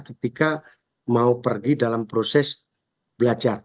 ketika mau pergi dalam proses belajar